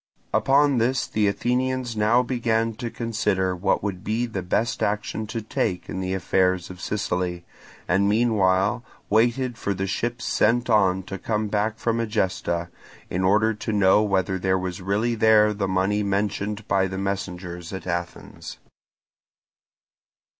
Upon this the Athenians now began to consider what would be the best action to take in the affairs of Sicily, and meanwhile waited for the ships sent on to come back from Egesta, in order to know whether there was really there the money mentioned by the messengers at Athens.